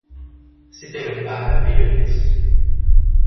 C'étaient le père et le fils.